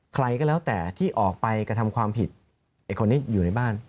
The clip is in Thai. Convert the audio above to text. ใครก็แล้วแต่ที่ออกไปกระทำความผิดไอ้คนนี้อยู่ในบ้าน